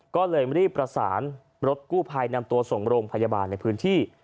ก็เลยรีบประสานรถกู้ภัยนำตัวส่งโรงพยาบาลในพื้นที่